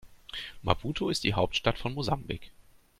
Maputo ist die Hauptstadt von Mosambik.